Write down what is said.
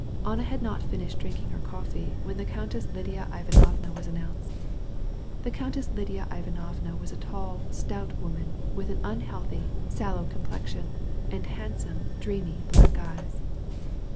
Anna had not had time to drink her coffee when the Countess Lidia Ivanovna was announced. The Countess Lidia Ivanovna was a tall, stout woman, with an unhealthily sallow face and splendid, pensive black eyes.